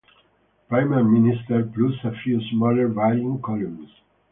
Prime Minister, plus a few smaller, varying columns.